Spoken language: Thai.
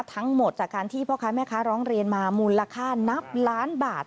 จากการที่พ่อค้าแม่ค้าร้องเรียนมามูลค่านับล้านบาท